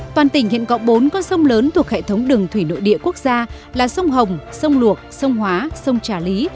toàn tỉnh hiện có bốn con sông lớn thuộc hệ thống đường thủy nội địa quốc gia là sông hồng sông luộc sông hóa sông trà lý